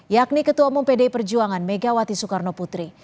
yakni ketua umum pdi perjuangan megawati soekarno putri